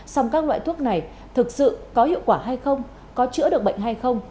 song các loại thuốc này thực sự có hiệu quả hay không có chữa được bệnh hay không